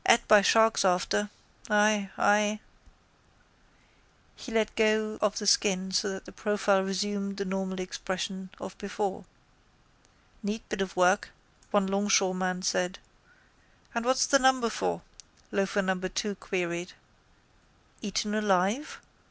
Ate by sharks after. Ay, ay. He let go of the skin so that the profile resumed the normal expression of before. —Neat bit of work, one longshoreman said. —And what's the number for? loafer number two queried. —Eaten alive?